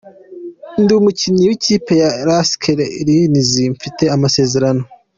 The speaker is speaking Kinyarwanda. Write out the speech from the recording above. Ndi umukinnyi w’ikipe ya Rask Linz mfite amasezerano.